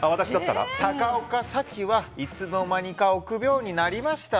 高岡早紀はいつの間にか臆病になりました。